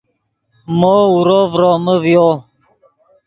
مو اورو ڤرومے ڤیو